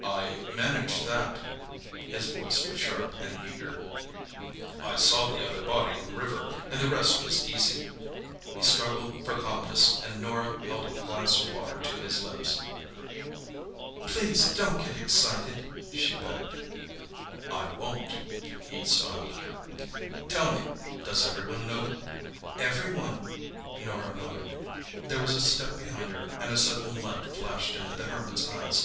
"I managed that." His voice was sharp and eager. "I saw the other body in the river and the rest was easy." He struggled for calmness and Norah held a glass of water to his lips. "Please don't get excited!" she begged. "I won't," he smiled at her. "Tell me—does everyone know?" "Everyone," Norah nodded. There was a step behind her and a sudden light flashed into the Hermit's eyes.